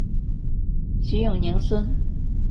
徐永宁孙。